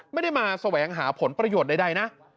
ไม่ได้มาแสวงหาผลประโยชน์ใดนะ